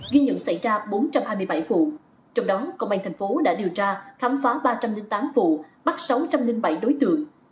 ghi nhận xảy ra bốn trăm hai mươi bảy vụ trong đó công an thành phố đã điều tra khám phá ba trăm linh tám vụ bắt sáu trăm linh bảy đối tượng